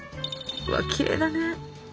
うわきれいだね。